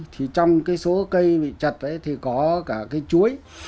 trong cái số cây bị chật ấy thì có cả cây chuối